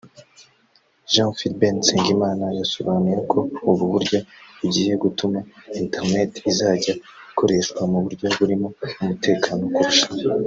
Jean Philbert Nsengimana yasobanuye ko ubu buryo bugiye gutuma internet izajya ikoreshwa mu buryo burimo umutekano kurushaho